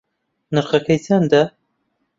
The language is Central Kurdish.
نرخەکەی چەندە